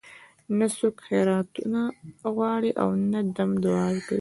نه څوک خیراتونه غواړي او نه دم دعاوې کوي.